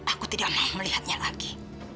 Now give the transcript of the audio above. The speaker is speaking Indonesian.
aku tidak mau melihatnya lagi